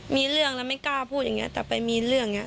มีเรื่องแล้วไม่กล้าพูดอย่างเงี้แต่ไปมีเรื่องอย่างนี้